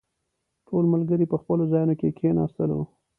ټول ملګري په خپلو ځايونو کې کښېناستلو.